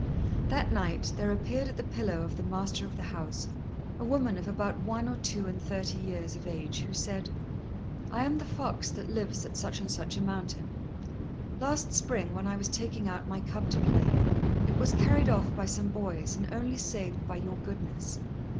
That night there appeared at the pillow of the master of the house a woman of about one or two and thirty years of age, who said, "I am the fox that lives at such and such a mountain. Last spring, when I was taking out my cub to play, it was carried off by some boys, and only saved by your goodness.